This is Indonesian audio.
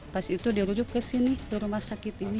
pas itu dirujuk ke sini ke rumah sakit ini